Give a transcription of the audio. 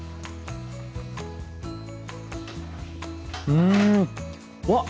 うんうわっ！